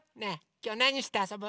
きょうなにしてあそぶ？